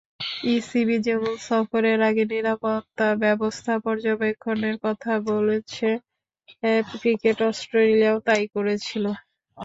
ECB যেমন সফরের আগে নিরাপত্তাব্যবস্থা পর্যবেক্ষণের কথা বলছে, ক্রিকেট অস্ট্রেলিয়াও তা-ই করেছিল।